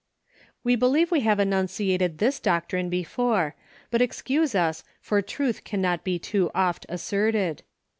We believe we have annunciated this doc trine before ; but, excuse us, for truth cannot be too oft asserted.